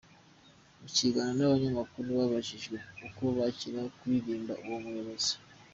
Mu kiganiro n’abanyamakuru babajijwe uko bakiriye kuririmbira uwo muyobozi.